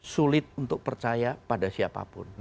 sulit untuk percaya pada siapapun